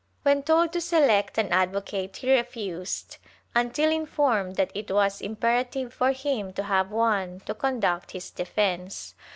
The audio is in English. When told to select an advocate he refused, until informed that it was impera tive for him to have one to conduct his defence.